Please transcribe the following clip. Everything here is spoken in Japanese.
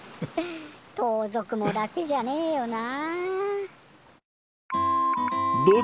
とうぞくも楽じゃねえよな。